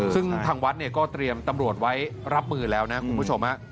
ซึ่งทางวัดเนี่ยก็เตรียมตำรวจไว้รับมือแล้วนะคุณผู้ชม